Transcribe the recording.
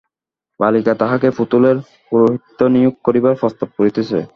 বালিকা তাঁহাকে পুতুলের পৌরোহিত্যে নিয়োগ করিবার প্রস্তাব করিতেছে।